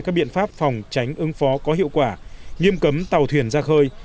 các biện pháp phòng tránh ứng phó có hiệu quả nghiêm cấm tàu thuyền ra khơi